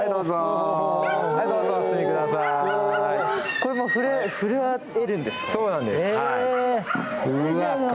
これは触れ合えるんですか？